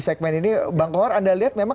segmen ini bang kohar anda lihat memang